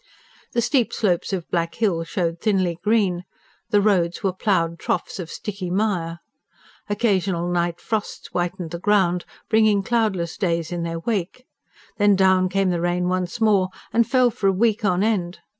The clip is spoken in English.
The steep slopes of Black Hill showed thinly green; the roads were ploughed troughs of sticky mire. Occasional night frosts whitened the ground, bringing cloudless days in their wake. Then down came the rain once more, and fell for a week on end.